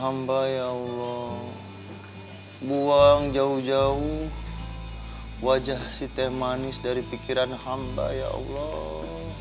hamba ya allah buang jauh jauh wajah site manis dari pikiran hamba ya allah